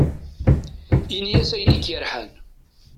Ini-as ayen ik-yerḥan.